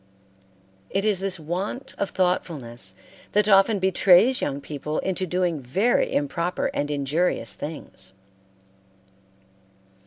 It is this want of thoughtfulness that often betrays young people into doing very improper and injurious things.